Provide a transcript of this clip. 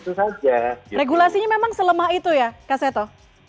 nah regulasinya memang selemah itu ya kak seto